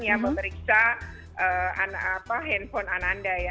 yang memeriksa handphone ananda ya